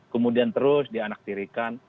kemudian terus dianaktirikan